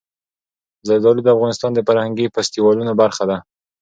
زردالو د افغانستان د فرهنګي فستیوالونو برخه ده.